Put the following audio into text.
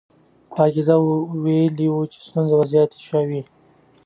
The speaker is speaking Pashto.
پاکیزه ویلي وو چې ستونزې زیاتې شوې.